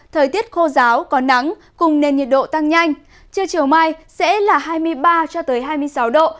thời tiết khô giáo có nắng cùng nền nhiệt độ tăng nhanh trưa chiều mai sẽ là hai mươi ba cho tới hai mươi sáu độ